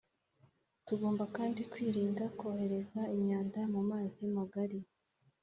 tugomba kandi kwirinda kohereza imyanda mu mazi magari